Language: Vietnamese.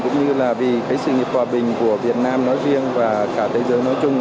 cũng như là vì cái sự nghiệp hòa bình của việt nam nói riêng và cả thế giới nói chung